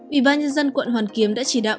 ubnd quận hoàn kiếm đã chỉ đạo